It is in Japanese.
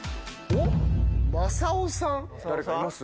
誰かいます？